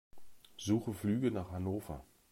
Suche Flüge nach Hannover.